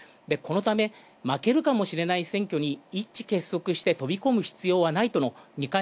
このため負けるかもしれない選挙に一致結束して飛び込む必要はないと。